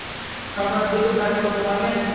সম্রাটের দিকে তাক করব মানে?